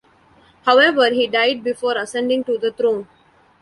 However, he died before ascending to the throne.